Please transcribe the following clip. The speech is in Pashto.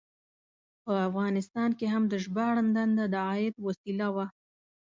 په افغانستان کې هم د ژباړن دنده د عاید وسیله وه.